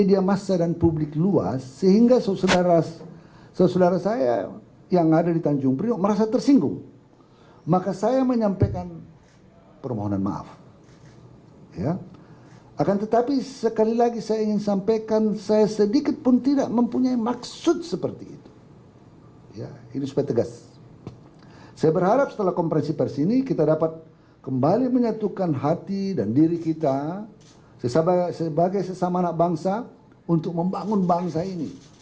ini supaya tegas saya berharap setelah konferensi pers ini kita dapat kembali menyatukan hati dan diri kita sebagai sesama anak bangsa untuk membangun bangsa ini